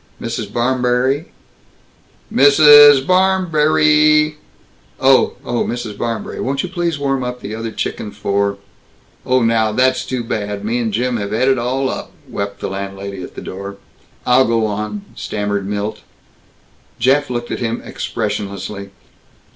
Mrs. Barmberry. Mrssssssss. Barrrrrrrmberrrrrry! Oh. Oh, Mrs. Barmberry, won't you please warm up that other chicken for " "Oh, now, that's too bad. Me and Jim have et it all up!" wept the landlady, at the door. "I'll go on," stammered Milt. Jeff looked at him expressionlessly.